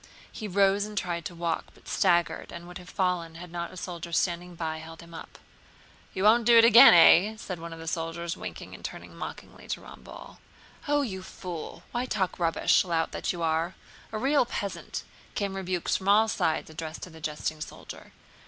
He rose and tried to walk, but staggered and would have fallen had not a soldier standing by held him up. "You won't do it again, eh?" said one of the soldiers, winking and turning mockingly to Ramballe. "Oh, you fool! Why talk rubbish, lout that you are—a real peasant!" came rebukes from all sides addressed to the jesting soldier.